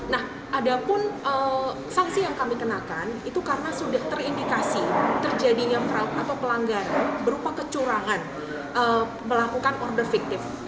nah ada pun sanksi yang kami kenakan itu karena sudah terindikasi terjadinya atau pelanggaran berupa kecurangan melakukan order fiktif